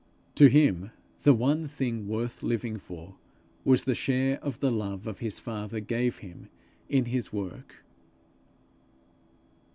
To him the one thing worth living for, was the share the love of his father gave him in his work.